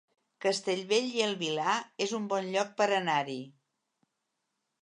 Castellbell i el Vilar es un bon lloc per anar-hi